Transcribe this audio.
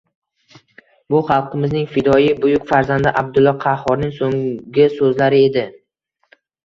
Bu xalqimizning fidoyi, buyuk farzandi Abdulla Qahhorning so‘nggi so‘zlari edi…